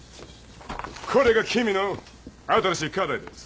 これが君の新しい課題です。